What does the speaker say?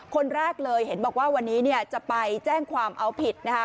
คนแรกเลยเห็นบอกว่าวันนี้เนี่ยจะไปแจ้งความเอาผิดนะคะ